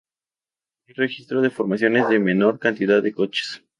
No hay registros de formaciones de menor cantidad de coches.